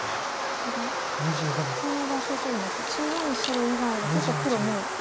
ただほかの場所といいますか中央の白以外は結構黒もう。